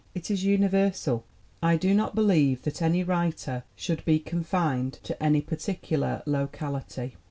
It is universal. I do not believe that any writer should be confined to any particular locality."